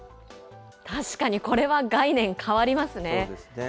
確かにこれは概念変わりますね。